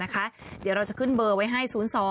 เดี๋ยวเราจะขึ้นเบอร์ไว้ให้๐๒